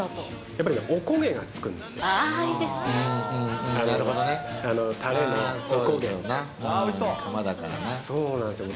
やっぱりおこげがつくんですよ。